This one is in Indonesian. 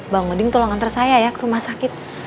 bang odin tolong ngantar saya ya ke rumah sakit